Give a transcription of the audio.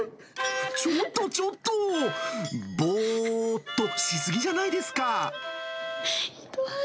ちょっとちょっと、ぼーっとしすぎじゃないですか。